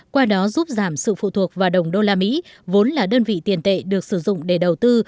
qua đó giúp giảm sự phụ thuộc vào đồng đô la mỹ vốn là đơn vị tiền tệ được sử dụng để đầu tư